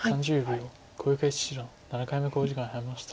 小池七段７回目の考慮時間に入りました。